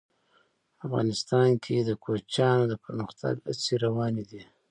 افغانستان کې د کوچیانو د پرمختګ هڅې روانې دي.